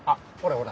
ほら